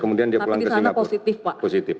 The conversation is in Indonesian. kemudian dia pulang ke singapura positif